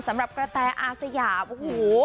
สำหรับกระแตอาสยามโอ้โห